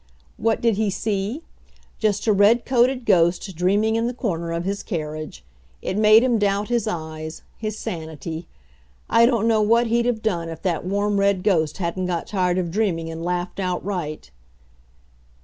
What did he see? Just a red coated ghost dreaming in the corner of his carriage. It made him doubt his eyes his sanity. I don't know what he'd have done if that warm red ghost hadn't got tired of dreaming and laughed outright.